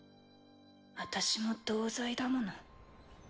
私も同罪だもの。